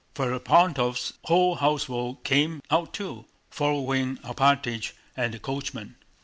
Ferapóntov's whole household came out too, following Alpátych and the coachman.